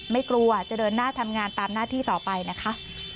ไม่กลัวจะเดินหน้าทำงานตามหน้าที่ต่อไปนะคะ